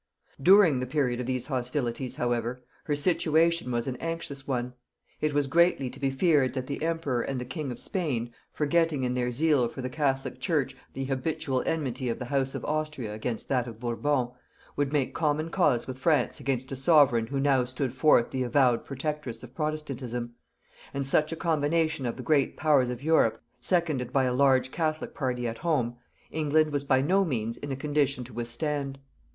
During the period of these hostilities, however, her situation was an anxious one. It was greatly to be feared that the emperor and the king of Spain, forgetting in their zeal for the catholic church the habitual enmity of the house of Austria against that of Bourbon, would make common cause with France against a sovereign who now stood forth the avowed protectress of protestantism; and such a combination of the great powers of Europe, seconded by a large catholic party at home, England was by no means in a condition to withstand.